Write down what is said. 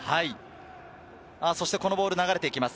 そしてこのボールが流れていきます